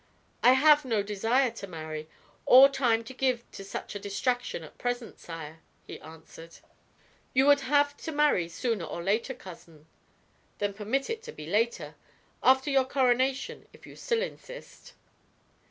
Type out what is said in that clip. "I have no desire to marry, or time to give to such a distraction at present, sire," he answered. "You would have to marry sooner or later, cousin." "Then permit it to be later. After your coronation, if you still insist."